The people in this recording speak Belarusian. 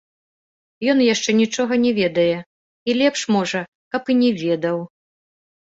Ён яшчэ нічога не ведае, і лепш, можа, каб і не ведаў.